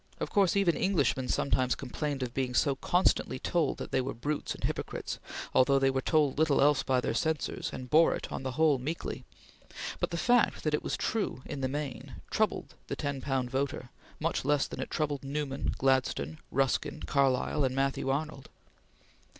Of course, even Englishmen sometimes complained of being so constantly told that they were brutes and hypocrites, although they were told little else by their censors, and bore it, on the whole, meekly; but the fact that it was true in the main troubled the ten pound voter much less than it troubled Newman, Gladstone, Ruskin, Carlyle, and Matthew Arnold.